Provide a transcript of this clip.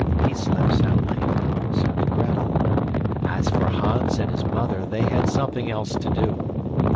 He slept soundly; so did Gretel. As for Hans and his mother, they had something else to do.